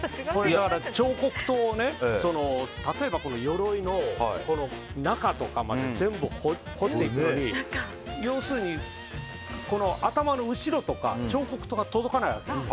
彫刻刀を例えば鎧の中とかまで全部彫っていくのに要するに、頭の後ろとか彫刻刀が届かないわけです。